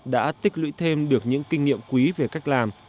đã tích lũy thêm được những kinh nghiệm quý về cách làm